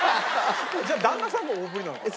じゃあ旦那さんも大ぶりなのかな。